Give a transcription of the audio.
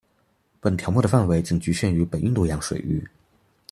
本条目的范围仅局限于北印度洋水域。